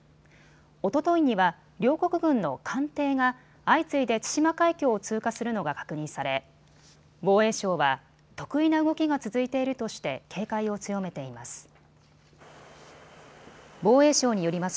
おとといには両国軍の艦艇が相次いで対馬海峡を通過するのが確認され防衛省は特異な動きが続いているとして警戒を強めています。